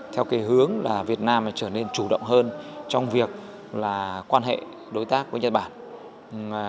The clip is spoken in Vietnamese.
theo cái hướng là việt nam trở nên chủ động hơn trong việc là quan hệ đối tác với nhật bản